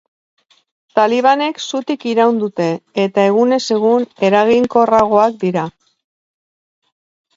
Talibanek zutik iraun dute, eta egunez egun, eraginkorragoak dira.